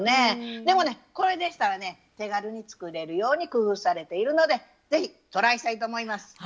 でもねこれでしたらね手軽に作れるように工夫されているので是非トライしたいと思います。